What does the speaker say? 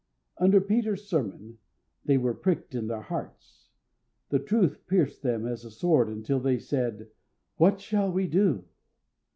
Under Peter's sermon "they were pricked in their hearts." The truth pierced them as a sword until they said, "What shall we do?"